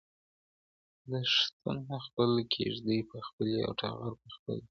دښتونه خپل، کیږدۍ به خپلي او ټغر به خپل وي.